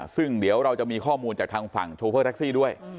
ซึ่งเดี๋ยวเราจะมีข้อมูลจากทางฝั่งโชเฟอร์แท็กซี่ด้วย